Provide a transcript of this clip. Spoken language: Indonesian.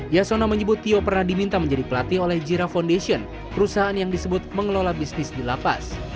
yasona menyebut tio pernah diminta menjadi pelatih oleh jira foundation perusahaan yang disebut mengelola bisnis di lapas